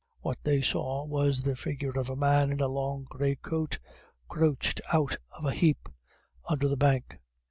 What they saw was the figure of a man in a long great coat, "crooched all of a hape" under the bank.